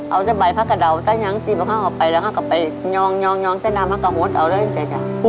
เอาใส่ใบพักกระเดาตั้งยังจีบเอาข้างออกไปแล้วข้างกลับไปนยองใส่น้ำพักกระโหดเอาเลยจ้ะ